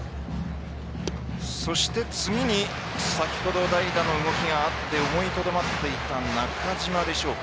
そして次に先ほど代打の動きがあって思いとどまっていた中島でしょうか。